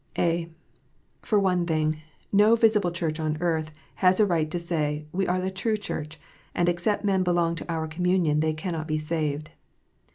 223 (a) For one thing, no visible Church on earth has a right to say, " We are the true Church, and except men belong to our communion they cannot be saved."